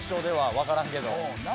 わからんけど。